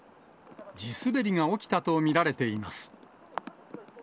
地滑りが起きたと見られています。